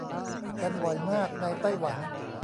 กันบ่อยมากในไต้หวัน